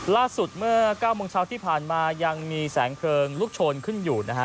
ล่าสุดเมื่อ๙โมงเช้าที่ผ่านมายังมีแสงเพลิงลุกโชนขึ้นอยู่นะฮะ